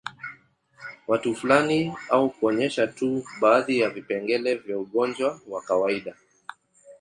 Watu fulani au kuonyesha tu baadhi ya vipengele vya ugonjwa wa kawaida